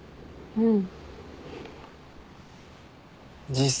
うん。